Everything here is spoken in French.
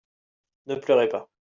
ne pleurez pas.